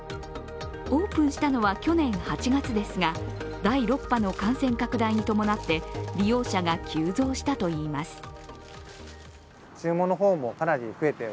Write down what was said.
オープンしたのは去年８月ですが、第６波の感染拡大に伴って利用者が急増したといいます。